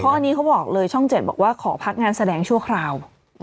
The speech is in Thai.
อันนี้เขาบอกเลยช่อง๗บอกว่าขอพักงานแสดงชั่วคราว